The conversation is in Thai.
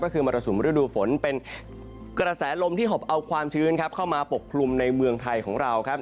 ก็คือมรสุมฤดูฝนเป็นกระแสลมที่หอบเอาความชื้นเข้ามาปกคลุมในเมืองไทยของเราครับ